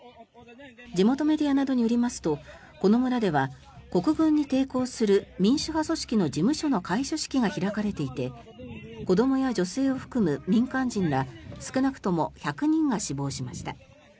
地元メディアなどによりますとこの村では国軍に抵抗する民主派組織の事務所の開所式が開かれていて子どもや女性を含む民間人ら少なくとも１００人が死亡しました。